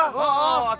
oh aku gak liat